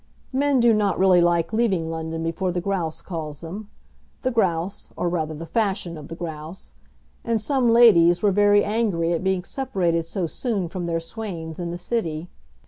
Men do not really like leaving London before the grouse calls them, the grouse, or rather the fashion of the grouse. And some ladies were very angry at being separated so soon from their swains in the city.